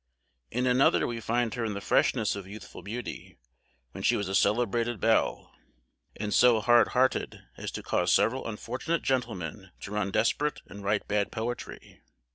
In another we find her in the freshness of youthful beauty, when she was a celebrated belle, and so hard hearted as to cause several unfortunate gentlemen to run desperate and write bad poetry.